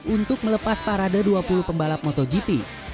untuk melepas parade dua puluh pembalap motogp